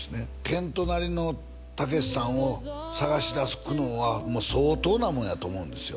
遣都なりのたけしさんを探しだす苦悩はもう相当なもんやと思うんですよ